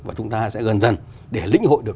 và chúng ta sẽ gần dần để lĩnh hội được